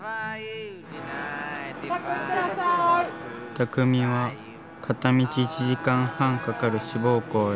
たくみは片道１時間半かかる志望校へ。